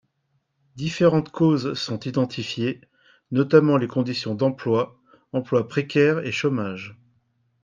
Différentes causes sont identifiées, notamment les conditions d’emploi, emploi précaire et chômage.